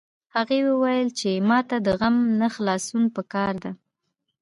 هغې وویل چې ما ته د غم نه خلاصون په کار ده